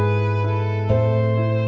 aku mau ke sana